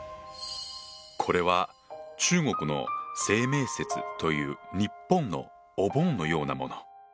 これは中国の清明節という日本のお盆のようなもの。